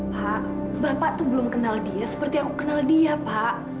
pak bapak itu belum kenal dia seperti aku kenal dia pak